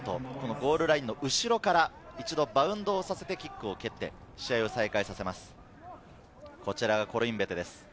ゴールラインの後ろから一度バウンドをさせてキックを切って、試合を再開させます。